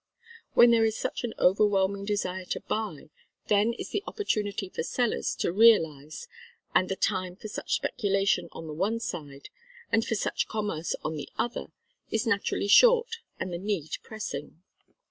When there is such an overwhelming desire to buy, then is the opportunity for sellers to realise, and the time for such speculation on the one side, and for such commerce on the other, is naturally short and the need pressing.